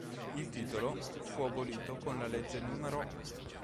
Il titolo fu abolito con la legge n.